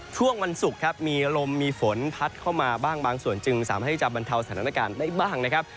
ช่วงวันศุกร์ครับมีลมมีฝนพัดเข้ามาบ้างบางส่วนจึงสามารถที่จะบรรเทาสถานการณ์ได้บ้างนะครับ